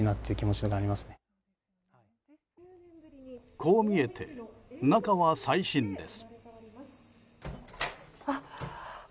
こう見えて、中は最新です。